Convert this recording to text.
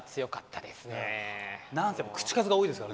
何せ口数が多いですからね